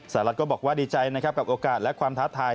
สหรัฐก็บอกว่าดีใจกับโอกาสและความท้าทาย